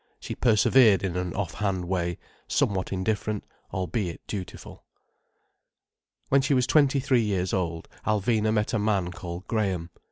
She persevered in an off hand way, somewhat indifferent, albeit dutiful. When she was twenty three years old, Alvina met a man called Graham.